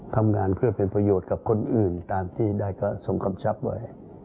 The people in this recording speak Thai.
ทำงานเพื่อเป็นประโยชน์กับคนอื่นตามที่ได้กระทรงกำชับไว้